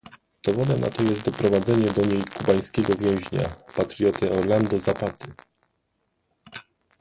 Dowodem na to jest doprowadzenie do niej kubańskiego więźnia - patrioty Orlando Zapaty